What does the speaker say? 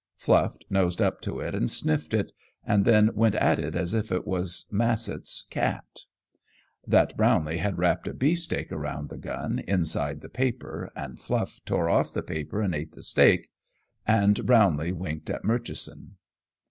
Fluff nosed up to it and sniffed it, and then went at it as if it was Massett's cat. That Brownlee had wrapped a beefsteak around the gun, inside the paper, and Fluff tore off the paper and ate the steak, and Brownlee winked at Murchison.